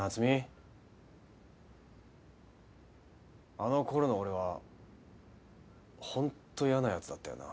あの頃の俺はホント嫌な奴だったよな。